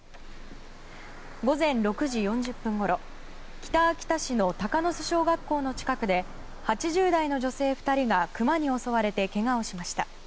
午前６時４０分ごろ北秋田市の鷹巣小学校の近くで８０代の女性２人がクマに襲われてけがをしました。